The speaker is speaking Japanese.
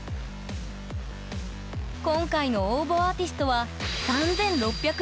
今回の応募アーティストは３，６７４組。